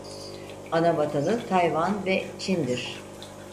Anavatanı Tayvan ve Çin'dir.